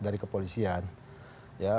dari kepolisian ya